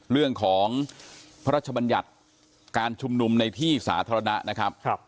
เรื่องของพระราชบัญญัติการชุมนุมในที่สาธารณะนะครับ